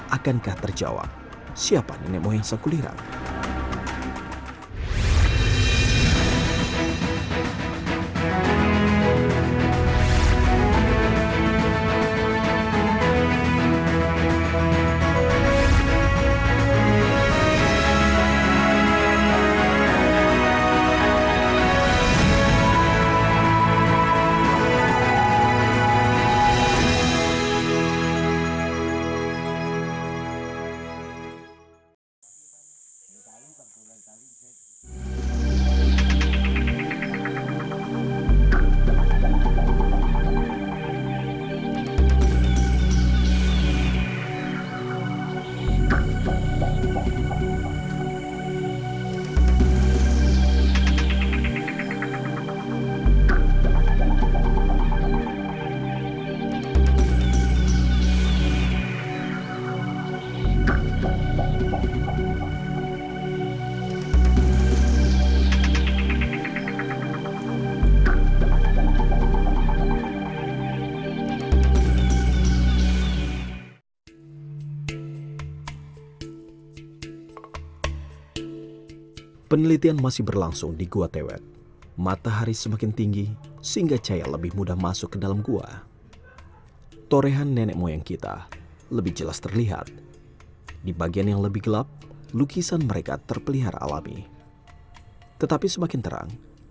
akankah terjawab siapa nenek moyang sangkulirang